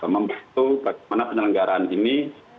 membantu bagaimana penelenggaraan ini